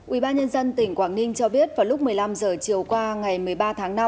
ủy ban nhân dân tỉnh quảng ninh cho biết vào lúc một mươi năm h chiều qua ngày một mươi ba tháng năm